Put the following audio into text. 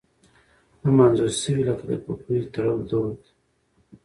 هم انځور شوي لکه د پګړیو تړل دود